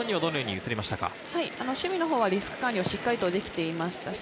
守備のほうはリスク管理をしっかりできていました。